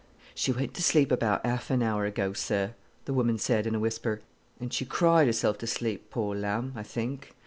"She went to sleep about half an hour ago, sir," the woman said, in a whisper; "and she cried herself to sleep, pore lamb, I think.